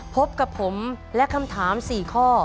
พบกับผมและคำถาม๔ข้อ